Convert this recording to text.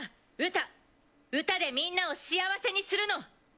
歌でみんなを幸せにするの。